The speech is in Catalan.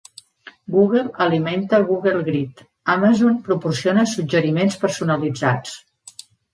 Google alimenta Google Grid, Amazon proporciona suggeriments personalitzats.